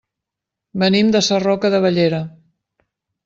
Venim de Sarroca de Bellera.